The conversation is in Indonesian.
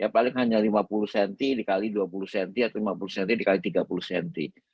paling hanya lima puluh cm dikali dua puluh cm atau lima puluh cm dikali tiga puluh cm